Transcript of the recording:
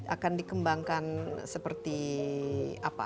akan dikembangkan seperti apa